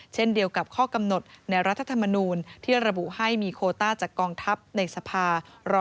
เช่นเดียวกับข้อกำหนดในรัฐธรรมนูลที่ระบุให้มีโคต้าจากกองทัพในสภา